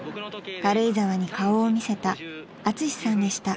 軽井沢に顔を見せたアツシさんでした］